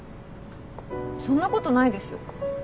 そんなことないですよ。